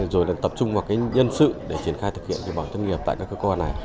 rồi tập trung vào nhân sự để triển khai thực hiện bảo hiểm thất nghiệp tại các cơ quan này